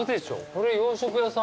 これ洋食屋さん？